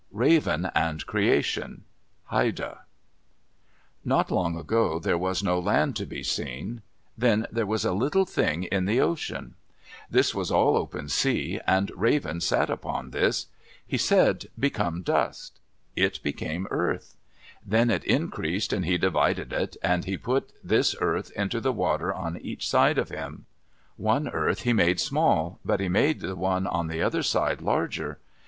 RAVEN AND CREATION Haida Not long ago, there was no land to be seen. Then there was a little thing in the ocean. This was all open sea, and Raven sat upon this. He said, "Become dust!" It became earth. Then it increased and he divided it, and he put this earth into the water on each side of him. One earth he made small, but he made the one on the other side larger.